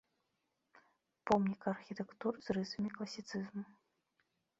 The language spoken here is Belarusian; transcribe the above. Помнік архітэктуры з рысамі класіцызму.